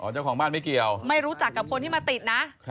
เจ้าของบ้านไม่เกี่ยวไม่รู้จักกับคนที่มาติดนะ